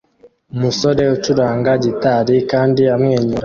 Umusore ucuranga gitari kandi amwenyura